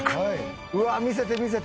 うわ見せて見せて！